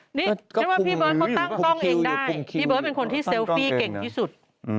พี่เบิร์ตตั้งกล้องเองได้พี่เบิร์ตเป็นคนที่เซลฟี่เก่งที่สุด